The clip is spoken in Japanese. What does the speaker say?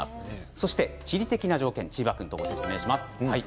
そして地理的な条件をチーバくんとご説明します。